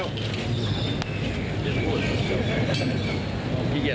ไม่เกตว่า